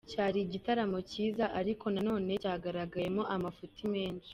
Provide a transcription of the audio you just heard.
Cyari igitaramo cyiza ariko nanone cyagarageyemo amafuti menshi.